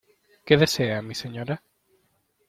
¿ qué desea mi señora?